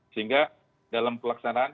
sehingga dalam pelaksanaan